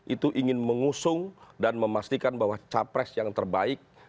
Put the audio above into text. itu ingin mengusung dan memastikan bahwa capres yang terbaik